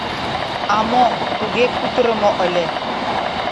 — А мо, туге кутырымо ыле.